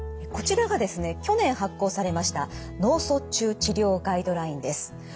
こちらがですね去年発行されました「脳卒中治療ガイドライン」です。